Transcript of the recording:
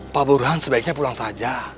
pak burhan sebaiknya pulang saja